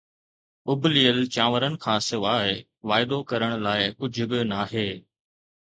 اُبليل چانورن کان سواءِ واعدو ڪرڻ لاءِ ڪجهه به ناهي